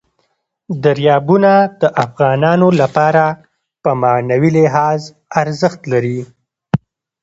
دریابونه د افغانانو لپاره په معنوي لحاظ ارزښت لري.